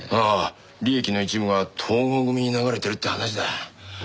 ああ利益の一部が東剛組に流れてるって話だ。